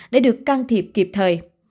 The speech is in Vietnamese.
để được can thiệp kịp thời